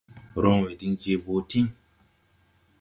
Rɔŋwɛ diŋ je boo tíŋ.